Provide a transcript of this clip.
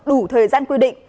đủ thời gian quy định